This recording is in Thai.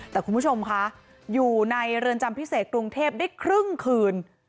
แต่คุณผู้ชมคะอยู่ในเรือนจำพิเศษกรุงเทพได้ครึ่งคืน